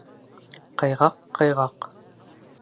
Ҡыйғаҡ-ҡыйғаҡ...